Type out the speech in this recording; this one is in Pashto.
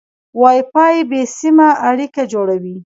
وای فای بې سیمه اړیکه جوړوي.